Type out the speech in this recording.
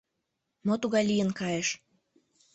Мо тугай лийын кайыш?